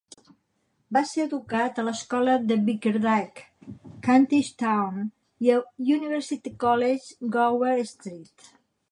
Va ser educat a l'escola de Bickerdike, Kentish Town, i a University College, Gower Street.